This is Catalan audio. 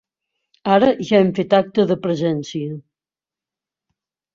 Ara ja hem fet acte de presència.